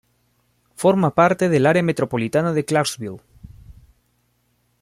Forma parte del área metropolitana de Clarksville.